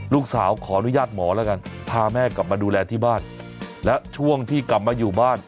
ขออนุญาตหมอแล้วกันพาแม่กลับมาดูแลที่บ้านและช่วงที่กลับมาอยู่บ้าน